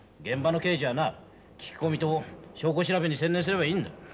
現場の刑事はな聞き込みと証拠調べに専念すればいいんだ。